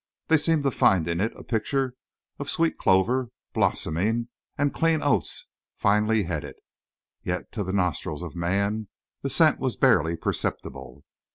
They seemed to find in it a picture of sweet clover, blossoming, and clean oats finely headed; yet to the nostrils of a man the scent was barely perceptible.